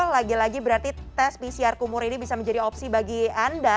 lagi lagi berarti tes pcr kumur ini bisa menjadi opsi bagi anda